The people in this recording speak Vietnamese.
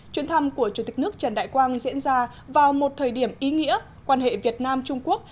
chuyến thăm của chủ tịch nước trần đại quang diễn ra vào một thời điểm ý nghĩa quan hệ việt nam trung quốc